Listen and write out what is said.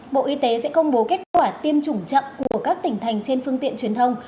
bộ y tế sẽ công bố kết quả tiêm chủng chậm của các tỉnh thành trên phương tiện truyền thông